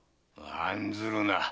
案ずるな。